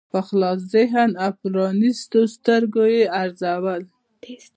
په خلاص ذهن او پرانیستو سترګو یې ارزول.